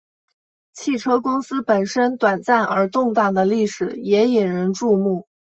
汽车公司本身短暂而动荡的历史也引人注目。